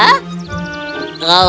kau menantangku untuk berlomba